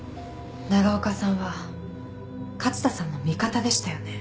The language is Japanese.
長岡さんは勝田さんの味方でしたよね？